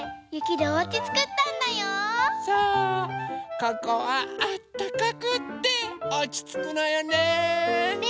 ここはあったかくておちつくのよね。ね。